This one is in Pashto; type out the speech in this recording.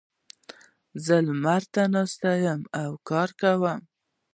زه لمر ته ناست یم او کار کوم.